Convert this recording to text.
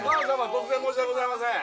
突然申し訳ございません